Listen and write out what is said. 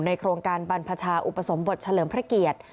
โครงการบรรพชาอุปสมบทเฉลิมพระเกียรติ